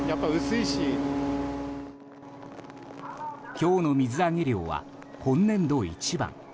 今日の水揚げ量は今年度一番。